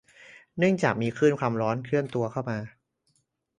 เนื้องจากมีคลื่นความร้อนเคลื่อนตัวเข้ามา